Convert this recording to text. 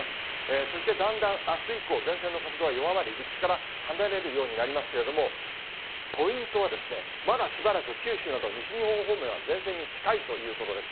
そしてだんだんあす以降、前線の活動は弱まり、陸地から離れるようになりますけれども、ポイントは、まだしばらく九州など西日本方面は前線に近いということです。